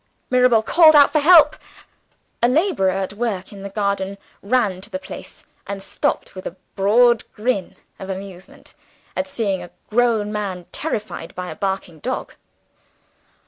Mirabel called out for help. A laborer at work in the garden ran to the place and stopped with a broad grin of amusement at seeing a grown man terrified by a barking dog.